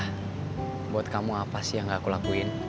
nah buat kamu apa sih yang gak aku lakuin